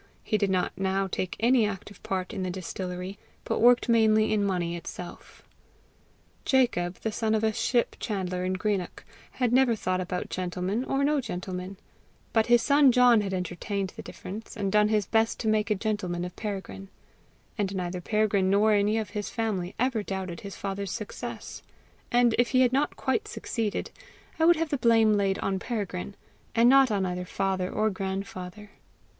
He did not now take any active part in the distillery, but worked mainly in money itself. Jacob, the son of a ship chandler in Greenock, had never thought about gentleman or no gentleman; but his son John had entertained the difference, and done his best to make a gentleman of Peregrine; and neither Peregrine nor any of his family ever doubted his father's success; and if he had not quite succeeded, I would have the blame laid on Peregrine and not on either father or grandfather.